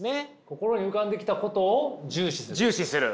心に浮かんできたことを重視する？